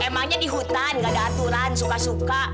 temanya di hutan gak ada aturan suka suka